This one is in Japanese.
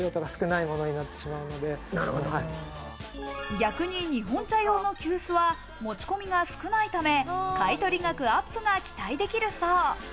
逆に日本茶用の急須は持ち込みが少ないため、買取額アップが期待できるそう。